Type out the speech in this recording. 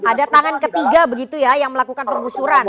ada tangan ketiga begitu ya yang melakukan penggusuran